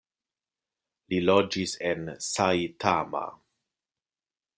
Li loĝis en Saitama.